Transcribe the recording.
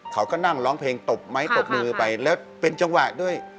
เขาก็นั่งร้องเพลงตบไม้ตบมือไปแล้วเป็นจังหวะด้วย